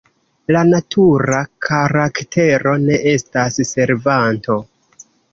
La natura karaktero ne estas servanto.